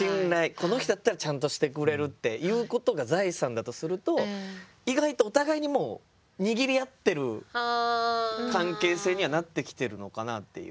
この人だったらちゃんとしてくれるっていうことが財産だとすると意外とお互いに握り合ってる関係性にはなってきてるのかなっていう。